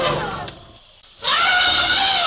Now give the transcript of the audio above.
ติดต่อไปแล้ว